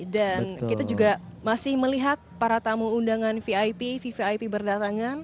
kita juga masih melihat para tamu undangan vip vvip berdatangan